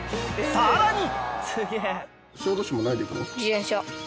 ［さらに］